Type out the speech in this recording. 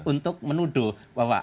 untuk menuduh bahwa